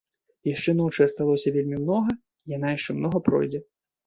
Яшчэ ночы асталося вельмі многа, яна яшчэ многа пройдзе.